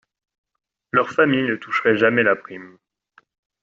Leur famille ne toucherait jamais la prime.